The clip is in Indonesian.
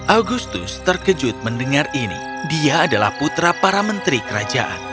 agustus terkejut mendengar ini dia adalah putra para menteri kerajaan